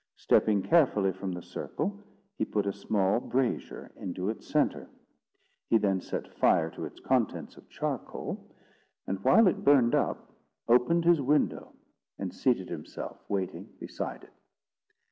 Stepping carefully from the circle, he put a small brazier into its centre. He then set fire to its contents of charcoal, and while it burned up, opened his window and seated himself, waiting, beside it.